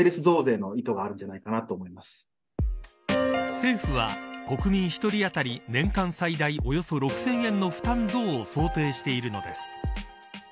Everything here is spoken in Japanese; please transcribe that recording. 政府は、国民１人当たり年間最大およそ６０００円の負担増を想定しているのです。